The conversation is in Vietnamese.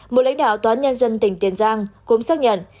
một lãnh đạo tòa án nhân dân tỉnh tiền giang cũng xác nhận